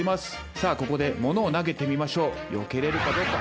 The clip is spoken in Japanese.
さあここでモノを投げてみましょう。よけれるかどうか。